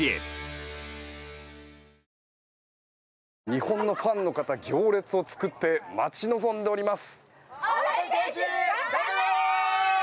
日本のファンの方行列を作って待ち望んでおります。